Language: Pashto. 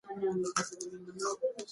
حل لا نه دی موندل سوی.